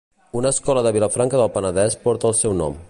Una escola de Vilafranca del Penedès porta el seu nom.